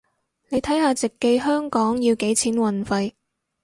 你睇下直寄香港要幾錢運費